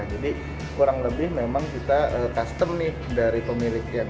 jadi kurang lebih memang kita custom dari pemiliknya